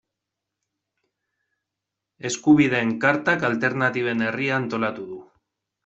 Eskubideen Kartak Alternatiben Herria antolatu du.